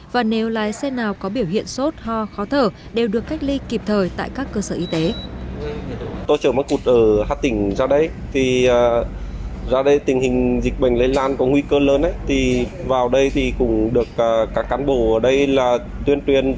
và nếu lái xe nào có biểu hiện sốt ho khó thở đều được cách ly kịp thời tại các cơ sở y tế